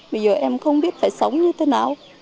bây giờ em không biết phải sống như thế nào